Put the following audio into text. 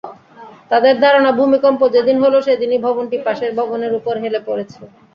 তাঁদের ধারণা ভূমিকম্প যেদিন হলো সেদিনই ভবনটি পাশের ভবনের ওপর হেলে পড়েছে।